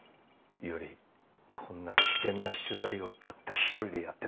伊織こんな危険な取材をたった一人でやってたのか？